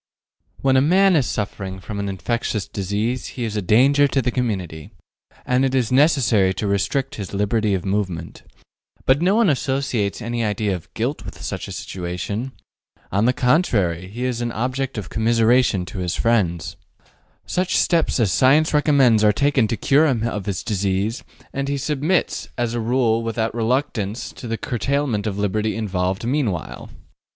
When a man is suffering from an infectious disease he is a danger to the community, and it is necessary to restrict his liberty of movement. But no one associates any idea of guilt with such a situation. On the contrary, he is an object of commiseration to his friends. Such steps as science recommends are taken to cure him of his disease, and he submits as a rule without reluctance to the curtailment of liberty involved meanwhile.